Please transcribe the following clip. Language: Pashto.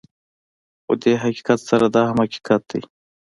خو دې حقیقت سره دا هم حقیقت دی